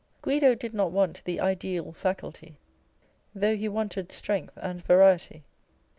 Guido did not want the ideal faculty, though he wanted strength and variety.